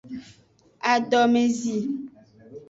Adomezi.